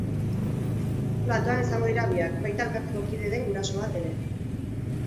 Platoan izango dira biak, baita elkarteko kide den guraso bat ere.